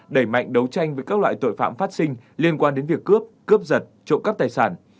đẩy mạnh đấu tranh với các loại tội phạm phát sinh liên quan đến việc cướp cướp giật trộm cắp tài sản